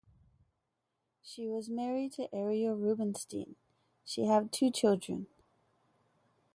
She was married to Ariel Rubinstein She have two children.